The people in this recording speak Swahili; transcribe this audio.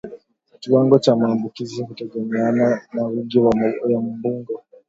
Kiwango cha maambukizi hutegemeana na wingi wa mbungo